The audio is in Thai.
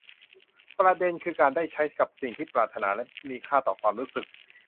ประเด็นคือการได้ใช้กับสิ่งที่ปรารถนาและมีค่าต่อความรู้สึก